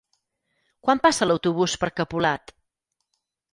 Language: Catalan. Quan passa l'autobús per Capolat?